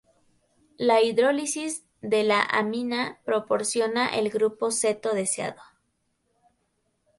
La hidrólisis de la amina proporciona el grupo ceto deseado.